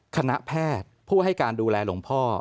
คณะแพทย์ผู้ให้การดูแลหลวงพ่อ